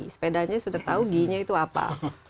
sepedanya sudah tahu g nya itu apa